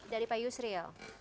dari pak yusri ya